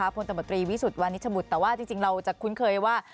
พลตมตรีวิสุทธิ์วันนี้ชมุดแต่ว่าที่จริงเราจะคุ้นเคยว่า